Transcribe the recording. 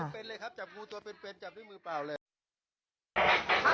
เป็นเลยครับจับงูตัวเป็นเป็นจับด้วยมือเปล่าเลยเขาทำไมถอดมือล่ะ